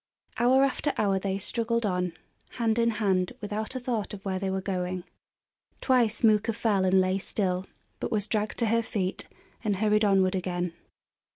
Hour after hour they struggled on, hand in hand, without a thought of where they were going. Twice Mooka fell and lay still, but was dragged to her feet and hurried onward again.